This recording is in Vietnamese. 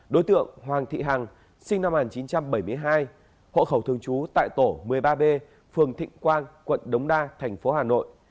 đối tượng hoàng thị hằng sinh năm một nghìn chín trăm bảy mươi hai hộ khẩu thường trú tại tổ một mươi ba b phường thịnh quang quận đống đa thành phố hà nội